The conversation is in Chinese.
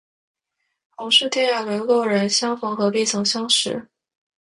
同是天涯沦落人，相逢何必曾相识